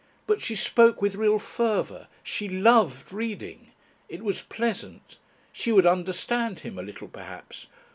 But she spoke with real fervour. She loved reading! It was pleasant. She would understand him a little perhaps.